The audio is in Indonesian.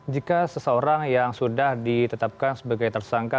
jika seseorang yang sudah ditetapkan sebagai tersangka